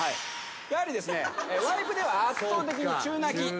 やはりワイプでは圧倒的に中泣き。